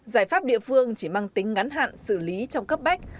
giải pháp địa phương chỉ mang tính ngắn hạn xử lý trong cấp bách